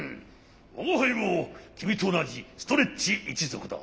わがはいもきみとおなじストレッチいちぞくだ。